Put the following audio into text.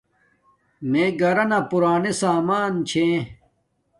میے کھرانا پورانے سمان چھے